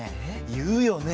言うよね！